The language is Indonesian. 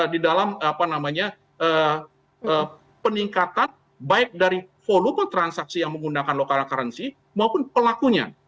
di dalam peningkatan baik dari volume transaksi yang menggunakan lokal currency maupun pelakunya